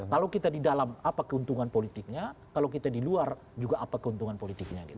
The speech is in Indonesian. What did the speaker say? kalau kita di dalam apa keuntungan politiknya kalau kita di luar juga apa keuntungan politiknya gitu